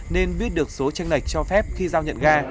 nên biết được số tranh lệch cho phép khi giao nhận ga